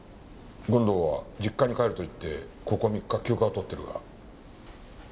権藤は実家に帰るといってここ３日休暇を取ってるが。